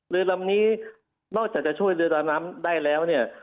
เรือลำนี้นอกจากจะช่วยเรือดำน้ำได้แล้วเนี่ย